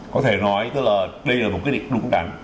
có thể nói tức là đây là một quyết định đúng đắn